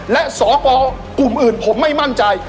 และสกกลุ่มอื่นผมไม่มั่นใจ